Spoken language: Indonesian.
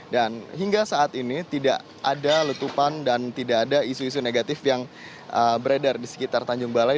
dan hingga saat ini tidak ada lutupan dan tidak ada isu isu negatif yang beredar di sekitar tanjung balai